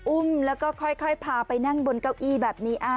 อุ้มแล้วก็ค่อยพาไปนั่งบนเก้าอี้แบบนี้